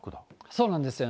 そうなんですよ。